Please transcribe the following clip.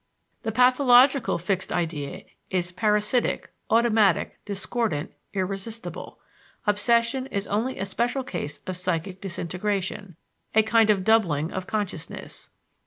The pathological fixed idea is "parasitic," automatic, discordant, irresistible. Obsession is only a special case of psychic disintegration, a kind of doubling of consciousness.